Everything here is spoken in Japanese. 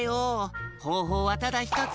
ほうほうはただひとつ。